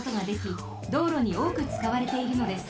道路におおくつかわれているのです。